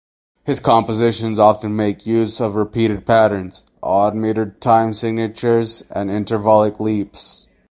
His compositions often make use of repeated patterns, odd-metered time signatures, and intervallic leaps.